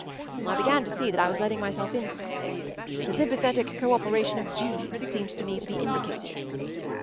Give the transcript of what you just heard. ” I began to see that I was letting myself in for something. The sympathetic co operation of Jeeves seemed to me to be indicated.